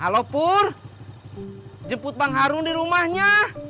alo pur jemput bang harun di rumahnya